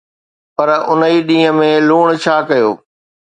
پر اُن ئي ڏينهن ۾ لوڻ ڇا ڪيو؟